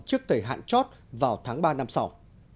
trước thời hạn chót vào tháng ba năm sau